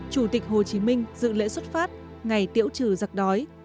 chủ tịch hồ chí minh dự lễ xuất phát ngày tiễu trừ giặc đói